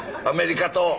アメリカと。